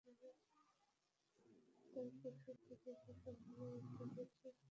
তবে পরশু রাতে যেমন সম্ভাবনার মৃত্যু হয়েছে মাঠে, পরে মাটি চাপা দিয়েছেন হতাশার।